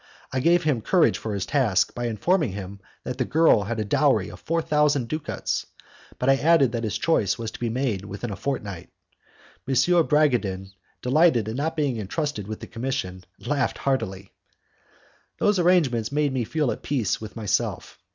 I gave him courage for his task by informing him that the girl had a dowry of four thousand ducats, but I added that his choice was to be made within a fortnight. M. de Bragadin, delighted at not being entrusted with the commission, laughed heartily. Those arrangements made me feel at peace with myself.